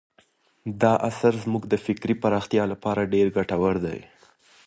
دا اثر زموږ د فکري پراختیا لپاره ډېر ګټور دی.